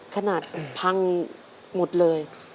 ขนาดพังหมดเลย